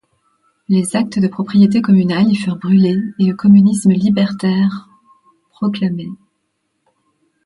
Les actes de propriété communales y furent brûlés et le communisme libertaire proclamé.